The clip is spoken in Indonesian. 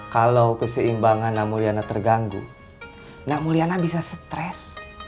kalau keseimbangan namuliana terganggu namuliana bisa stres